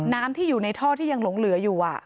น้ำที่อยู่ในท่อที่ยังหลงเหลืออยู่